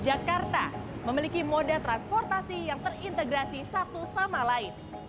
jakarta memiliki moda transportasi yang terintegrasi satu sama lain